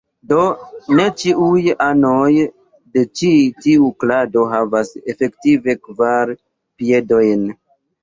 Do ne ĉiuj anoj de ĉi tiu klado havas efektive kvar piedojn.